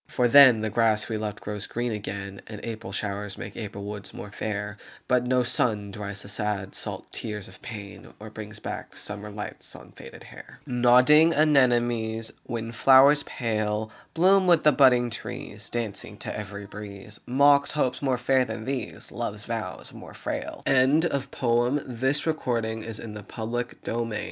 For then the grass we loved grows green again, And April showers make April woods more fair; But no sun dries the sad salt tears of pain, Or brings back summer lights on faded hair, Nodding Anemones, Wind flowers pale, Bloom with the budding trees, Dancing to every breeze, Mock hopes more frail than these, Love's vows more frail. AUTUMN LEAVES. The Spring's bright tints no more are seen,